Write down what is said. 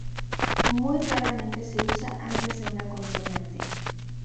Muy raramente se usa antes de una consonante.